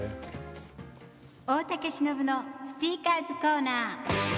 「大竹しのぶの“スピーカーズコーナー”」。